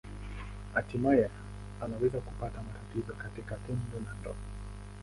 Hatimaye anaweza kupata matatizo katika tendo la ndoa.